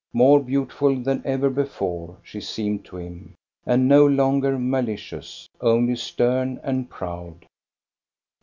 More beautiful than ever before, she seemed to him, and no longer malicious, only stem and proud.